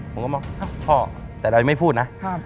ผมก็บอกพ่อแต่เรายังไม่พูดนะ